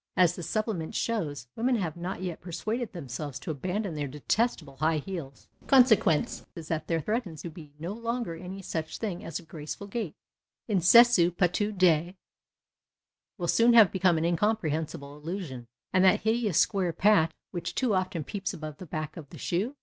As the Supplement shows, women have not yet persuaded themselves to abandon their detestable high heels. The consequence is that there tiireatens to be no longer any such thing as a graceful gait. 278 WOMEN'S JOURNALS Incessu patuit dea ^vill soon have become an incom prehensible allusion. And that hideous square patch which too often peeps above the back of the shoe